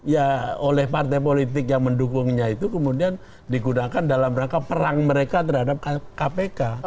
ya oleh partai politik yang mendukungnya itu kemudian digunakan dalam rangka perang mereka terhadap kpk